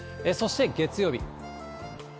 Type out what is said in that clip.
そして月曜日。